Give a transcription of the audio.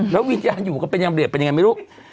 แล้ววิญญาณอยู่กันเป็นยังเรียบเป็นยังไงไม่รู้